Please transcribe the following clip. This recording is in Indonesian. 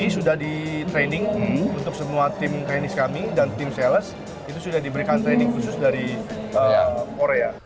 ini sudah di training untuk semua tim teknis kami dan tim sales itu sudah diberikan training khusus dari korea